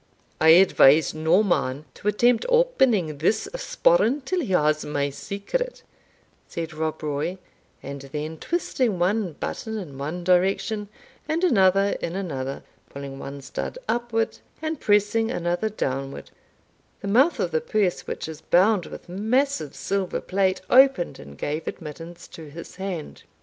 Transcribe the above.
"I advise no man to attempt opening this sporran till he has my secret," said Rob Roy; and then twisting one button in one direction, and another in another, pulling one stud upward, and pressing another downward, the mouth of the purse, which was bound with massive silver plate, opened and gave admittance to his hand.